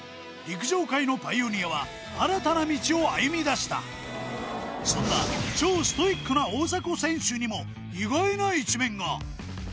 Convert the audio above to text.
陸上界のパイオニアは新たな道を歩みだしたそんな超ストイックな大迫選手にも意外な一面が！？